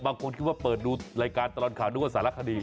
คิดว่าเปิดดูรายการตลอดข่าวนึกว่าสารคดี